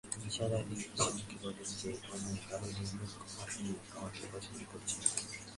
নিসার আলি হাসিমুখে বললেন, যে-কোনো কারণেই হোক, আপনি আমাকে পছন্দ করছেন না।